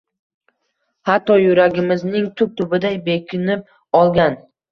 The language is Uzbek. Hatto, yuragimizning tub-tubida bekinib olgan